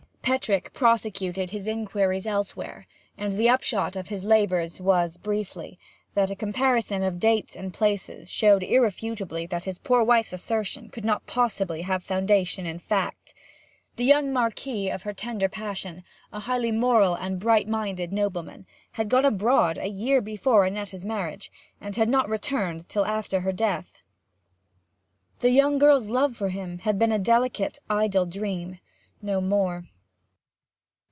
Petrick prosecuted his inquiries elsewhere; and the upshot of his labours was, briefly, that a comparison of dates and places showed irrefutably that his poor wife's assertion could not possibly have foundation in fact. The young Marquis of her tender passion a highly moral and bright minded nobleman had gone abroad the year before Annetta's marriage, and had not returned till after her death. The young girl's love for him had been a delicate ideal dream no more.